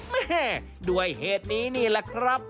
แม่ด้วยเหตุนี้นี่แหละครับ